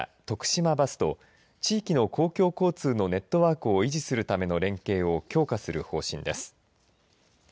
徳島バスと地域の公共交通のネットワークを維持するための連携を強化する方針です。